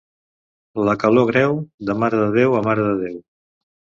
La calor greu, de Mare de Déu a Mare de Déu.